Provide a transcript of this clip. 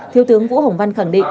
thiếu tướng vũ hồng văn khẳng định